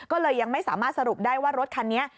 ก็เลยยังไม่สามารถสรุปได้ว่ารถคันนี้